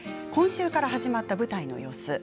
今週から始まった舞台の様子